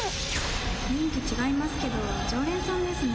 雰囲気違いますけど常連さんですね。